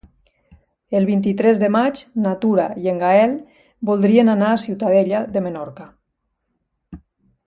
El vint-i-tres de maig na Tura i en Gaël voldrien anar a Ciutadella de Menorca.